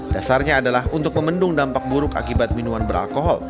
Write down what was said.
dasarnya adalah untuk memendung dampak buruk akibat minuman beralkohol